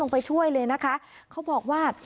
ไปช่วยเลยนะคะเขาบอกว่า